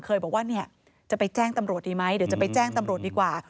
เคยบอกว่าเนี่ยจะไปแจ้งตำรวจดีไหมเดี๋ยวจะไปแจ้งตำรวจดีกว่า